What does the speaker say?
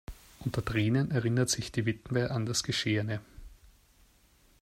Unter Tränen erinnert sich die Witwe an das Geschehene.